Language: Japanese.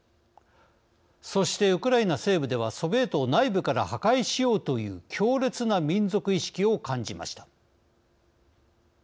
そしてウクライナ西部ではソビエトを内部から破壊しようという強烈な民族意識を感じました。